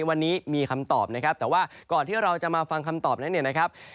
วันนี้มีคำตอบนะครับแต่ว่าก่อนที่เราจะมาฟังคำตอบนั้นเนี่ยนะครับ